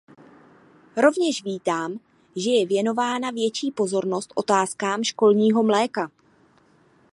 Rovněž vítám, že je věnována větší pozornost otázkám školního mléka.